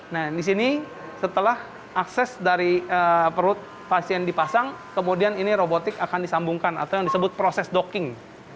nah di sini setelah akses dari perut pasien dipasang kemudian ini robotik akan disambungkan atau yang disebut proses docking